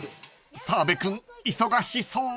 ［澤部君忙しそう］